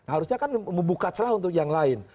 harusnya kan membuka celah untuk yang lain